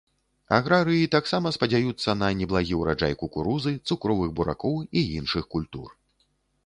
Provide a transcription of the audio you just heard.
Аграрыі таксама спадзяюцца на неблагі ўраджай кукурузы, цукровых буракоў і іншых культур.